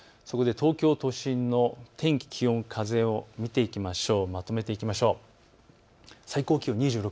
東京都心の天気、気温、風の予想、見ていきましょう。